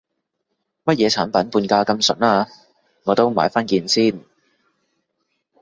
乜嘢產品半價咁筍啊，我都買返件先